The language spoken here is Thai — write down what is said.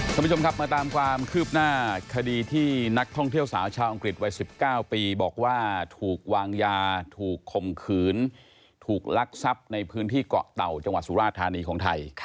คุณผู้ชมครับมาตามความคืบหน้าคดีที่นักท่องเที่ยวสาวชาวอังกฤษวัย๑๙ปีบอกว่าถูกวางยาถูกข่มขืนถูกลักทรัพย์ในพื้นที่เกาะเต่าจังหวัดสุราธานีของไทย